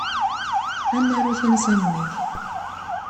Ad naru tansa-nni.